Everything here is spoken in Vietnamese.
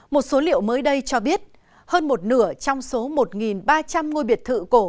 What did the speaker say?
một số liệu mới đây cho biết hơn một nửa trong số một ba trăm linh ngôi biệt thự cổ